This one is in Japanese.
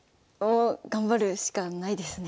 頑張るしかないですね。